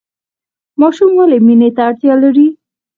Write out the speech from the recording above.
ماشوم ولې مینې ته اړتیا لري؟